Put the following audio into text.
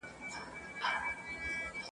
ته به ښايی د ښکلا ټوټې پیدا کړې !.